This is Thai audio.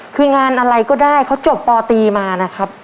คืองานอะไรก็ได้เขาจบปตีมานะครับ